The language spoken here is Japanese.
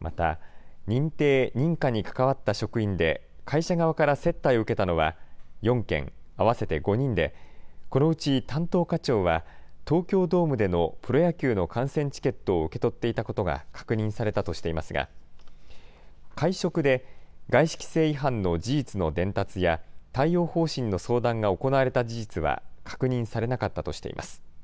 また、認定・認可に関わった職員で会社側から接待を受けたのは４件、合わせて５人で、このうち担当課長は、東京ドームでのプロ野球の観戦チケットを受け取っていたことが確認されたとしていますが、会食で、外資規制違反の事実の伝達や、対応方針の相談が行われた事実は確認されなかったとしています。